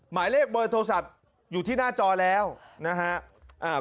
หมายเลขเบอร์โทรศัพท์อยู่ที่หน้าจอแล้วนะครับ